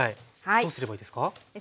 どうすればいいですか？